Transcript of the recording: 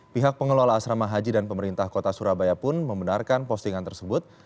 pihak pengelola asrama haji dan pemerintah kota surabaya pun membenarkan postingan tersebut